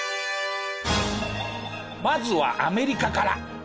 まずはアメリカから。